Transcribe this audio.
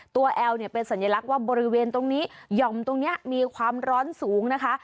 แอลเนี่ยเป็นสัญลักษณ์ว่าบริเวณตรงนี้หย่อมตรงนี้มีความร้อนสูงนะคะ